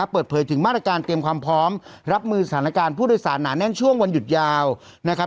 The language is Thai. เปิดเผยถึงมาตรการเตรียมความพร้อมรับมือสถานการณ์ผู้โดยสารหนาแน่นช่วงวันหยุดยาวนะครับ